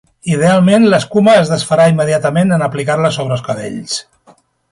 Idealment, l'escuma es desfarà immediatament en aplicar-la sobre els cabells.